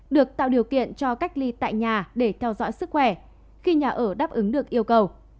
được tạo điều kiện cho cách ly tại nhà để theo dõi sức khỏe khi nhà ở đáp ứng được yêu cầu